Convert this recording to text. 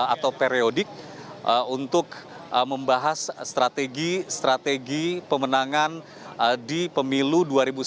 atau periodik untuk membahas strategi strategi pemenangan di pemilu dua ribu sembilan belas